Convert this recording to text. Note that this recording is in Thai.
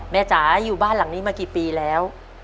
จ๋าอยู่บ้านหลังนี้มากี่ปีแล้ว